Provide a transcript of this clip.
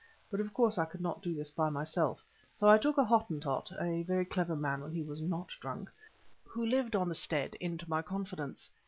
But of course I could not do this by myself, so I took a Hottentot—a very clever man when he was not drunk—who lived on the stead, into my confidence.